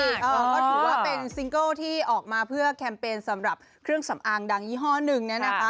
ก็ถือว่าเป็นซิงเกิลที่ออกมาเพื่อแคมเปญสำหรับเครื่องสำอางดังยี่ห้อหนึ่งเนี่ยนะคะ